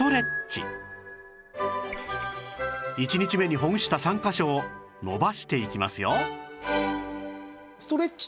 １日目にほぐした３カ所を伸ばしていきますよ